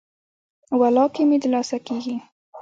ولاکه مې د لاسه کیږي.